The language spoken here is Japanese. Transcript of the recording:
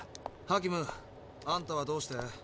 ハキムあんたはどうして？